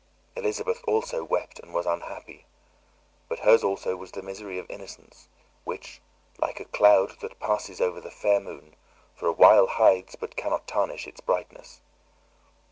Elizabeth also wept and was unhappy, but hers also was the misery of innocence, which, like a cloud that passes over the fair moon, for a while hides but cannot tarnish its brightness.